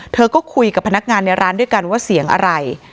เธอก็คุยกับพนักงานในร้านด้วยกันว่าเสียงอะไร